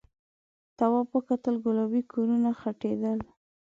تواب وکتل گلابي کورونه غټېدل.